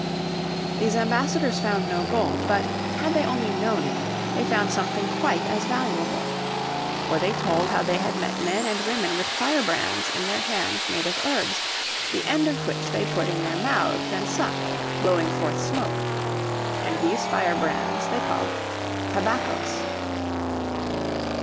These ambassadors found no gold, but, had they only known it, they found something quite as valuable. For they told how they had met men and women with firebrands in their hands made of herbs, the end of which they put in their mouths and sucked, blowing forth smoke. And these fire brands they called tabacos.